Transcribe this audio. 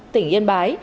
tỉnh yên bái